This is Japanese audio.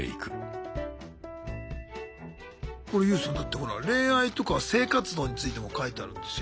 これＹＯＵさんだってほら恋愛とか性活動についても書いてあるんですよ。